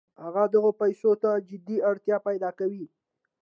هغه دغو پیسو ته جدي اړتیا پیدا کوي